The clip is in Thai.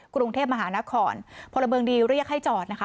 กรุงเทพมหานครพลเมืองดีเรียกให้จอดนะคะ